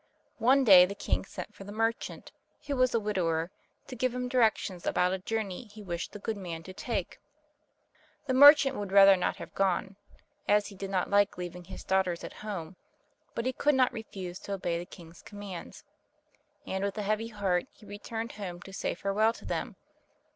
One day the king sent for the merchant, who was a widower, to give him directions about a journey he wished the good man to take. The merchant would rather not have gone, as he did not like leaving his daughters at home, but he could not refuse to obey the king's commands, and with a heavy heart he returned home to say farewell to them.